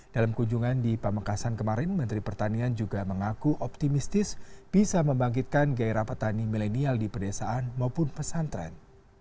dalam kunjungan di pamekasan kemarin menteri pertanian juga mengaku optimistis bisa membangkitkan gairah petani milenial di pedesaan maupun pesantren